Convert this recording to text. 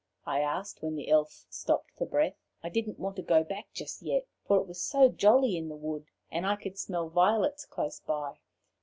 I asked when the Elf stopped for breath. I didn't want to go back just yet, for it was jolly in the wood, and I could smell violets close by.